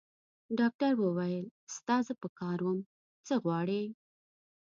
ډاکټر وویل: ستا زه په کار وم؟ څه غواړې؟